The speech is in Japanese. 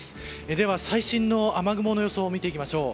では最新の雨雲の様子を見ていきましょう。